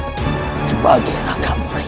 the sebagai rakam baik